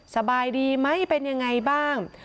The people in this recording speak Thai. สบายดีไหมเป็นยังไงบ้าง